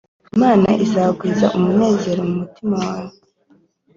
Imana izagwiza umunezero mu mutima we